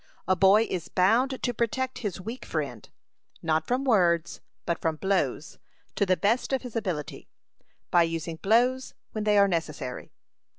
A boy is bound to protect his weak friend not from words, but from blows to the best of his ability, by using blows, when they are necessary.